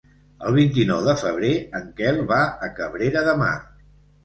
El vint-i-nou de febrer en Quel va a Cabrera de Mar.